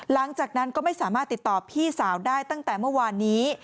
หลังจากนั้นก็ไม่สามารถติดต่อพี่สาวได้ตั้งแต่เมื่อวานนี้